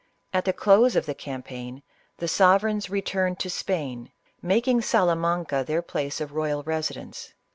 At the close of the campaign, the sovereigns returned to Spain, making Salamanca their place of royal resi dence.